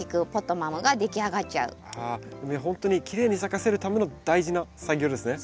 ほんとにきれいに咲かせるための大事な作業ですね。